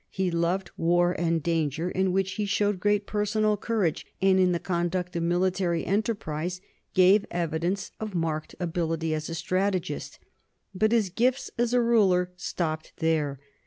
He loved war and danger, in which he showed great personal courage, and in the conduct of military enter prises gave evidence of marked ability as a strategist; but his gifts as a ruler stopped there.